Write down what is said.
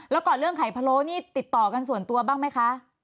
แล้วก่อนเรื่องไข่พะโล้นี่ติดต่อกันส่วนตัวบ้างไหมคะ